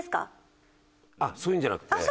あっそういうのじゃなくて。